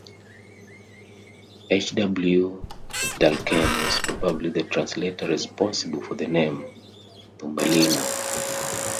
H. W. Dulcken was probably the translator responsible for the name, 'Thumbelina'.